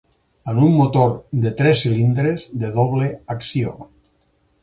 Amb un motor de tres cilindres de doble acció.